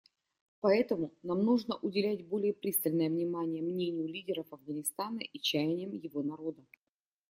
Поэтому нам нужно уделять более пристальное внимание мнению лидеров Афганистана и чаяниям его народа.